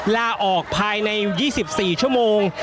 ลาออกภายใน๒๔ชั่วโมง